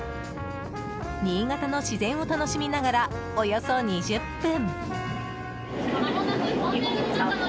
新潟の自然を楽しみながらおよそ２０分。